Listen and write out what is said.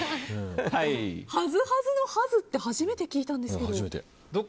恥ず恥ずの恥ずって初めて聞いたんですけど。